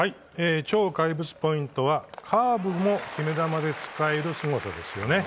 超怪物ポイントはカーブも決め球で使えるすごさですよね。